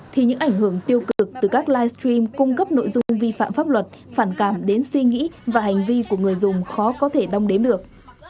thì những ảnh hưởng tiêu cực từ các livestream cung cấp nội dung vi phạm pháp luật phản cảm đến suy nghĩ và hành vi của người dùng khó có thể đong đếm được